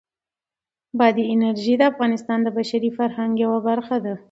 بادي انرژي د افغانستان د بشري فرهنګ یوه برخه ده.